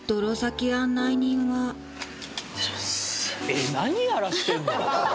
えっ何やらせてんの？